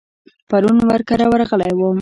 پرون ور کره ورغلی وم.